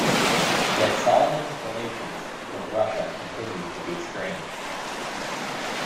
Yet, Solomon's relations with Russia continued to be strained.